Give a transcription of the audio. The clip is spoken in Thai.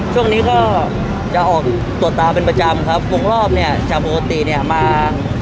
ช่วงนี้ก็จะออกตรวจตาเป็นประจำครับวงรอบเนี่ยจากปกติเนี่ยมา